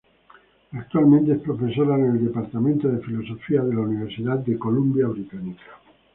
Actualmente es profesora en el departamento de filosofía de la Universidad de Columbia Británica.